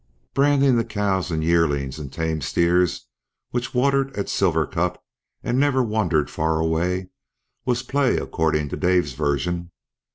Branding the cows and yearlings and tame steers which watered at Silver Cup, and never wandered far away, was play according to Dave's version.